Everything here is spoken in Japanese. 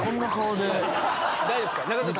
大丈夫ですか？